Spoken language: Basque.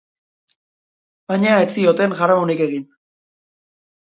Baina ez zioten jaramonik egin.